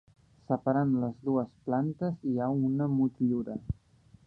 Separant les dues plantes hi ha una motllura.